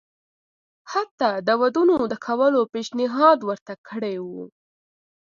حتی د ودونو د کولو پېشنهاد ورته کړی وو.